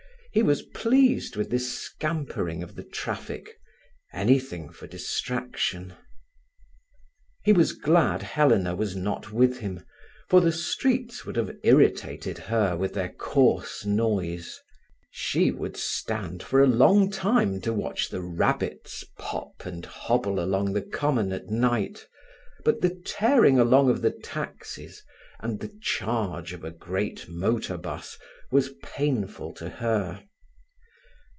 He was pleased with this scampering of the traffic; anything for distraction. He was glad Helena was not with him, for the streets would have irritated her with their coarse noise. She would stand for a long time to watch the rabbits pop and hobble along on the common at night; but the tearing along of the taxis and the charge of a great motor bus was painful to her.